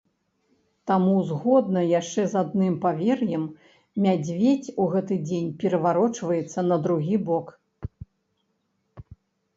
Таму згодна яшчэ з адным павер'ем, мядзведзь у гэты дзень пераварочваецца на другі бок.